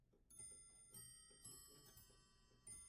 نجونې هڅه وکړي چې علم شریک کړي، نو ټولنه پرمختګ کوي.